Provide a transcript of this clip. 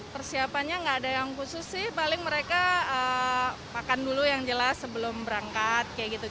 persiapannya gak ada yang khusus sih paling mereka makan dulu yang jelas sebelum berangkat